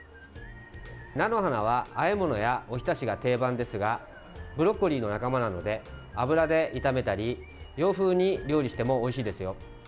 菜の花はあえ物やお浸しが定番ですがブロッコリーの仲間なので油で炒めたり洋風に料理してもおいしいですよ。